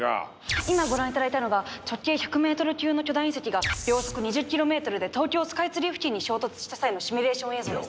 今ご覧いただいたのが直径１００ｍ級の巨大隕石が秒速２０キロメートルで東京スカイツリー付近に衝突した際のシミュレーション映像です